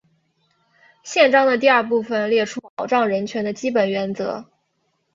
宪章的第二部分列出保障人权的基本原则。